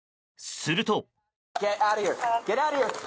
すると。